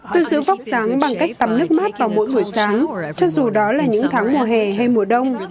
tôi giữ vóc dáng bằng cách tắm nước mát vào mỗi buổi sáng cho dù đó là những tháng mùa hè hay mùa đông